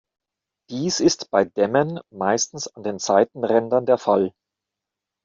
Dies ist bei Dämmen meistens an den Seitenrändern der Fall.